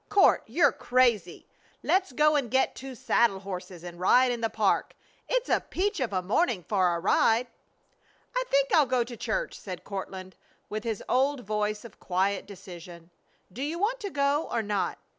Court, you're crazy! Let's go and get two saddle horses and ride in the park. It's a peach of a morning for a ride." "I think I'll go to church," said Courtland, with his old voice of quiet decision. "Do you want to go or not?"